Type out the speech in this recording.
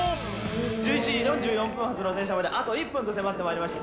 １１時４４分発の電車まであと１分と迫ってまいりました。